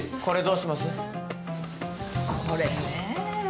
これね。